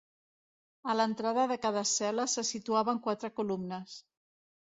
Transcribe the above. A l'entrada de cada cel·la se situaven quatre columnes.